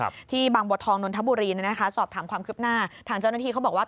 ที่บางบัวทองนนทบุรีเนี่ยนะคะสอบถามความคืบหน้าทางเจ้าหน้าที่เขาบอกว่า